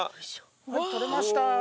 はい採れました。